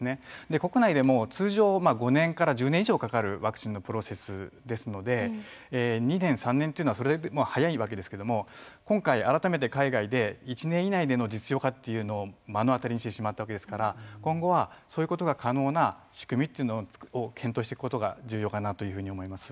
国内でも通常５年から１０年以上かかるワクチンのプロセスですので２年、３年というのは早いわけですけれども今回改めて海外で１年以内での実用化というのを目の当たりにしてしまったわけですから今後はそういうことが可能な仕組みというのを検討していくことが重要かなというふうに思います。